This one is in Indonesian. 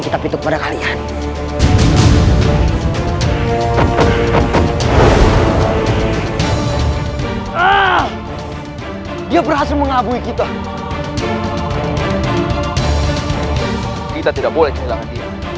kita pintu kepada kalian ah dia berhasil mengabui kita kita tidak boleh hilang